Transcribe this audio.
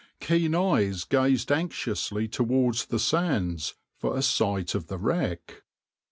Keen eyes gazed anxiously towards the sands for a sight of the wreck.